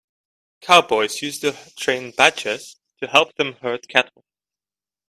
Cowboys used to train badgers to help them herd cattle.